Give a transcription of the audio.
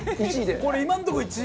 これ今のとこ１位。